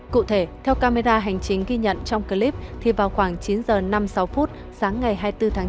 cụ thể theo camera hành chính ghi nhận trong clip thì vào khoảng chín h năm mươi sáu phút sáng ngày hai mươi bốn tháng chín